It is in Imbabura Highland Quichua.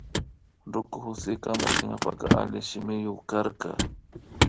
Ruku Jose kamachinkapak alli shimiyuk karka